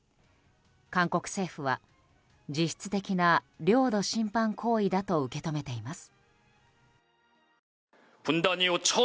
韓国政府は実質的な領土侵犯行為だと受け止めています。